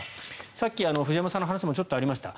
さっき藤山さんの話にもちょっとありました